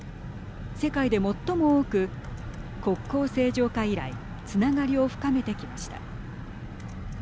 世界で最も多く国交正常化以来つながりを深めてきました。